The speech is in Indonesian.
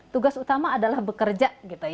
tugas utama adalah bekerja